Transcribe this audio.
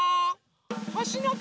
ほしのこ。